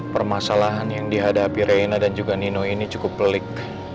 permasalahan yang dihadapi reina dan juga nino ini cukup pelik